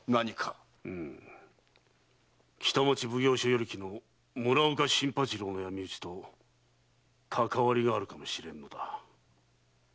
うむ北町奉行所与力の村岡新八郎の闇討ちとかかわりがあるかもしれんのだ。